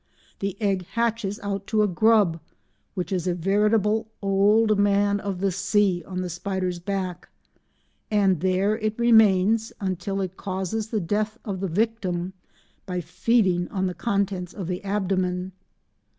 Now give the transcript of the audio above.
The egg hatches out to a grub which is a veritable "old man of the sea" on the spider's back, and there it remains until it causes the death of its victim by feeding on the contents of the abdomen.